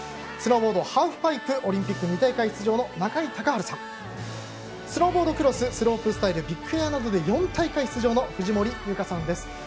スノーボード・ハーフパイプオリンピック２大会出場の中井孝治さんスノーボードクロススロープスタイルビッグエアなどで４大会出場の藤森由香さんです。